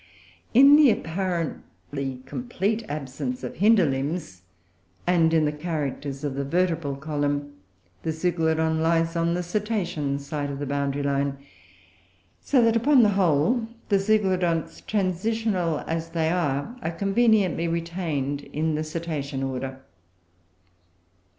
In the apparently complete absence of hinder limbs, and in the characters of the vertebral column, the Zeuglodon lies on the cetacean side of the boundary line; so that upon the whole, the Zeuglodonts, transitional as they are, are conveniently retained in the cetacean order.